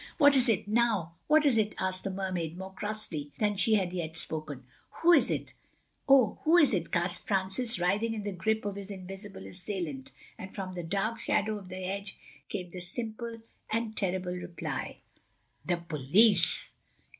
"What is it—now what is it?" asked the Mermaid more crossly than she had yet spoken. "Who is it? Oh, who is it?" gasped Francis, writhing in the grip of his invisible assailant. And from the dark shadow of the hedge came the simple and terrible reply: "The police!"